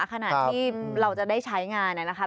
ขณะที่เราจะได้ใช้งานนะคะ